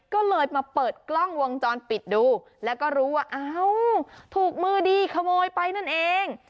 ก็เลยมาเปิดกล้องวงจรปิดดูแล้วก็รู้ว่าเอ้าถูกมือดีขโมยไปนั่นเอง